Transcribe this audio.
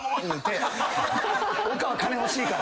おかんは金欲しいから。